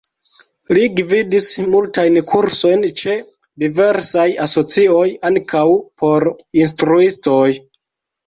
Li gvidis multajn kursojn ĉe diversaj asocioj, ankaŭ por instruistoj.